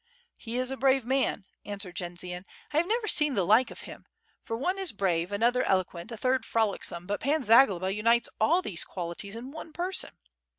"He is a brave man," answered Jendzian; "1 have never seen the like of him. for one is brave, another eloquent, a third frolicsome, but Pan Zagloba unites all these qualities in one person.